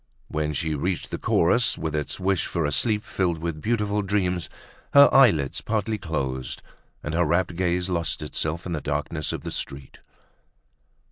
When she reached the chorus with its wish for a sleep filled with beautiful dreams, her eyelids partly closed and her rapt gaze lost itself in the darkness of the street.